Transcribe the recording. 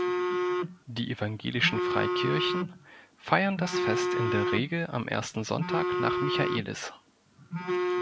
Die evangelischen Freikirchen feiern das Fest in der Regel am ersten Sonntag nach Michaelis.